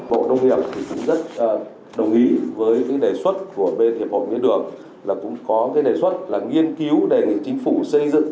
bộ nông nghiệp thì cũng rất đồng ý với cái đề xuất của bên hiệp hội mía đường là cũng có cái đề xuất là nghiên cứu đề nghị chính phủ xây dựng